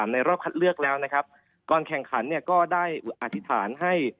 ในรอบคัดเลือกแล้วนะครับก่อนแข่งขันเนี่ยก็ได้อธิษฐานให้